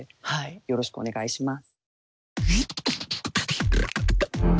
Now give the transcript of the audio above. よろしくお願いします。